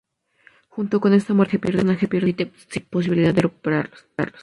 Junto con esta muerte el personaje pierde todo sus ítems sin posibilidad de recuperarlos.